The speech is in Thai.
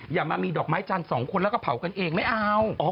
อย่ามามีดอกไม้จันทร์๒คนแล้วก็เผากันเองไม่เอา